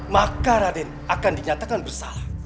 maka raden akan dinyatakan bersalah